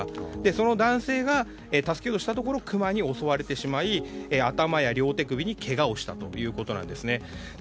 その男性が助けをしたところクマに襲われていまい頭や両手首にけがをしたということなんですね。